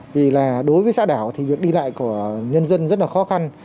vì là đối với xã đảo thì việc đi lại của nhân dân rất là khó khăn